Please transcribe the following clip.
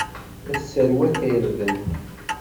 La tesserwat irden.